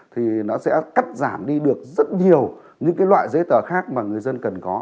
thì nó sẽ cắt giảm đi được rất nhiều những loại giấy tờ khác mà người dân cần có